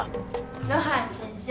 露伴先生。